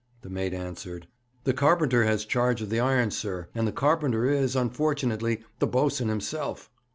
The mate answered: 'The carpenter has charge of the irons, sir, and the carpenter is, unfortunately, the boatswain himself.'